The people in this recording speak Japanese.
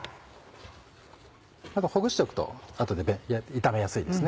あとほぐしておくと後で炒めやすいです。